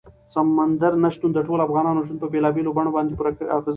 سمندر نه شتون د ټولو افغانانو ژوند په بېلابېلو بڼو باندې پوره اغېزمنوي.